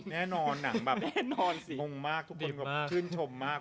แน่นอนหนังแบบมุ่งมากทุกคนชื่นชมมาก